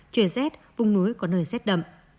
trời rét vùng núi có nơi rét đậm